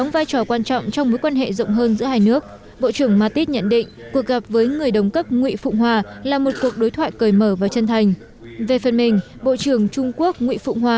về phần mình bộ trưởng trung quốc nguyễn phụng hòa